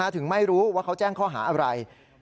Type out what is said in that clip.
ถึงไม่รู้ว่าเขาแจ้งข้อหาอะไร